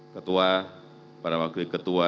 ketua para wakil ketua